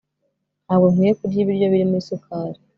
Ntabwo nkwiye kurya ibiryo birimo isukari